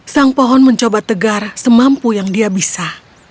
sang pohon mencoba tegar semampu yang dia bisa